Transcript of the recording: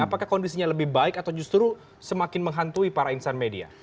apakah kondisinya lebih baik atau justru semakin menghantui para insan media